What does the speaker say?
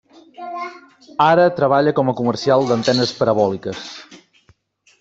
Ara treballa com a comercial d'antenes parabòliques.